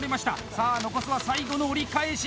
さあ残すは最後の折り返し！